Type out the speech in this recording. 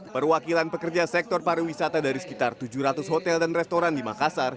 perwakilan pekerja sektor pariwisata dari sekitar tujuh ratus hotel dan restoran di makassar